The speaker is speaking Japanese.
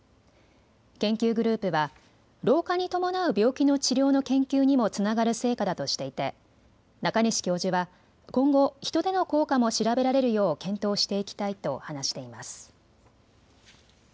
研究グループは老化に伴う病気の治療の研究にもつながる成果だとしていて中西教授は今後、人での効果も調べられるよう検討していきたいと話しています。